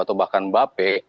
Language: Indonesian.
atau bahkan mbappe